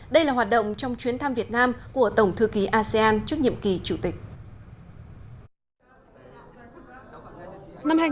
đây là hoạt động trong chuyến thăm việt nam của tổng thư ký asean trước nhiệm kỳ chủ tịch